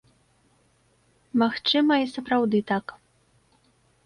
Магчыма, і сапраўды так.